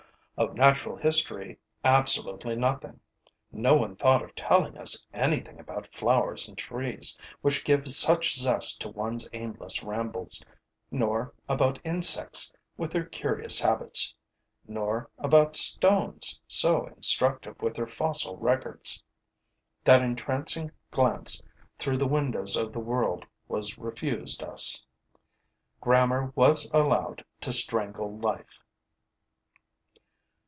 Of natural history, absolutely nothing. No one thought of telling us anything about flowers and trees, which give such zest to one's aimless rambles, nor about insects, with their curious habits, nor about stones, so instructive with their fossil records. That entrancing glance through the windows of the world was refused us. Grammar was allowed to strangle life.